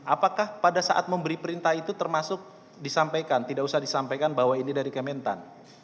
apakah pada saat memberi perintah itu termasuk disampaikan tidak usah disampaikan bahwa ini dari kementan